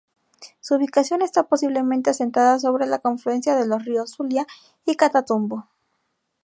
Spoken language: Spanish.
Su ubicación está posiblemente asentada sobre la confluencia de los ríos Zulia y Catatumbo.